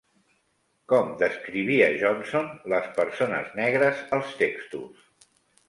Com descrivia Johnson les persones negres als textos?